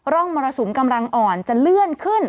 ร่องมรสุมกำลังอ่อนจะเลื่อนขึ้น